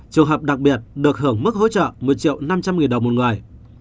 trường hợp đặc biệt được hưởng mức hỗ trợ một triệu năm trăm linh nghìn đồng một người